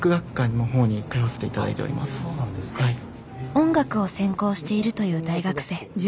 音楽を専攻しているという大学生。